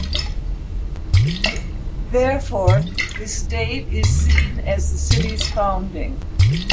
Therefore, this date is seen as the city's founding.